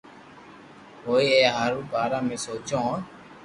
ھوئي اي ري بارا ۾ سوچو ھونن